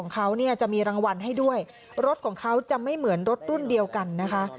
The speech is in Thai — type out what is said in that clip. การให้ด้วยรถของเขาจะไม่เหมือนรถรุ่นเดียวกันนะคะ